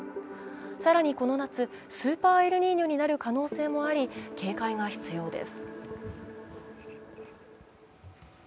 更にこの夏、スーパーエルニーニョになる可能性もあり警戒が必要です。